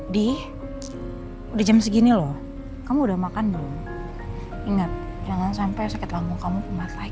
di di jam segini loh kamu udah makan dulu inget jangan sampai sakit langung kamu kembali